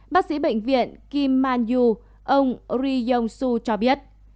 bác sĩ bệnh viện kim man yu ông ri yong su cho biết